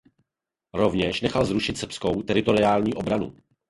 Rovněž nechal zrušit srbskou teritoriální obranu.